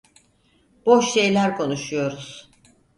Boş şeyler konuşuyoruz…